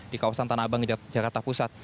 di kawasan tanabang jakarta pusat